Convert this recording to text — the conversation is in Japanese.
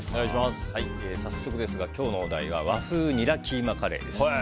早速ですが今日のお題は和風ニラキーマカレーです。